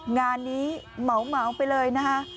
งานนี้เหมาไปเลยนะคะ